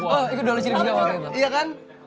oh itu dola cili juga waktu itu